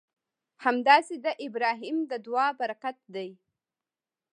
همداسې د ابراهیم د دعا برکت دی.